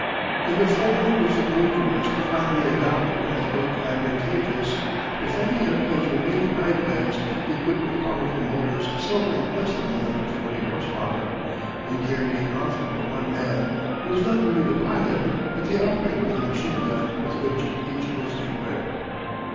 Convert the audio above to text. In the form which the belligerents finally adopted as most advantageous the fighting airplanes were mainly biplanes equipped with powerful motors seldom of less than 140 horse power, and carrying often but one man who is not merely the pilot, but the operator of the machine gun with which each was equipped.